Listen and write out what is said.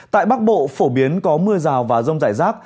tại bắc bộ phổ biến có mưa rào và rông rải rác